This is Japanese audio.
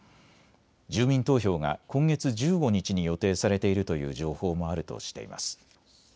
住民投票が今月１５日に予定されているという情報もあるとしています。